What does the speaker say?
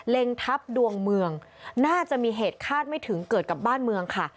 ทัพดวงเมืองน่าจะมีเหตุคาดไม่ถึงเกิดกับบ้านเมืองค่ะ